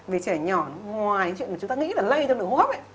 vì trẻ nhỏ ngoài những chuyện mà chúng ta nghĩ là lây đường hô hấp